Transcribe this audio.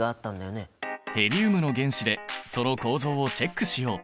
ヘリウムの原子でその構造をチェックしよう！